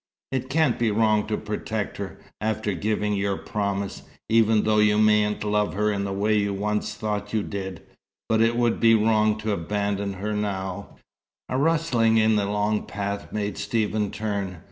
It can't be wrong to protect her, after giving your promise, even though you mayn't love her in the way you once thought you did: but it would be wrong to abandon her now " A rustling in the long path made Stephen turn.